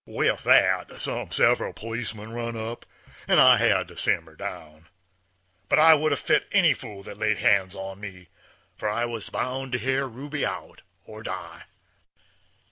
With that some several policemen run up, and I had to simmer down. But I would 'a' fit any fool that laid hands on me, for I was bound to hear Ruby out or die.